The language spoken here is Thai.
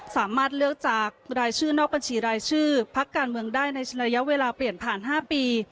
สามารถเลือกจากรายชื่อนอกบัญชีรายชื่อพักการเมืองได้ในระยะเวลาเปลี่ยนผ่าน๕ปี